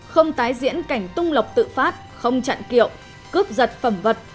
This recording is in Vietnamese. không tái diễn cảnh tung lộc tự phát không chặn kiệu cướp giật phẩm vật